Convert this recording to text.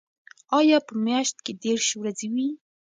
آیا په میاشت کې دېرش ورځې وي؟